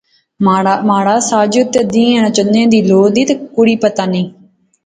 مہاڑا ساجد تہ دیئں چنے نی لو دا، کڑی پتہ نئیں؟